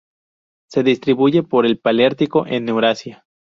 Se distribuye por el paleártico en Eurasia.